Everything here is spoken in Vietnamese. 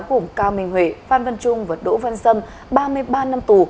gồm cao minh huệ phan văn trung và đỗ văn sâm ba mươi ba năm tù